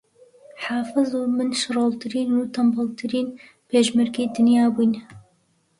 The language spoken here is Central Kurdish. حافز و من شڕۆڵترین و تەنبەڵترین پێشمەرگەی دنیا بووین